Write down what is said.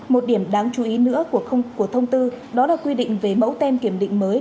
một điểm đáng chú ý nữa của thông tư đó là quy định về mẫu tem kiểm định mới